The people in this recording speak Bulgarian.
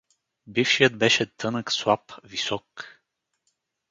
Бившият беше тънък, слаб, висок.